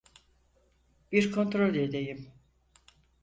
Bir kontrol edeyim.